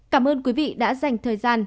cảm ơn quý vị đã dành thời gian